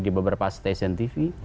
di beberapa stasiun tv